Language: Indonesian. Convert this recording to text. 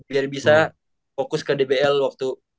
biar bisa fokus ke dbl waktu